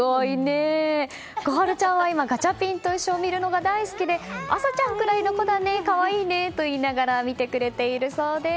心春ちゃんは今ガチャピンといっしょ！を見るのが大好きであさちゃんくらいの子だね可愛いねと見てくれているそうです。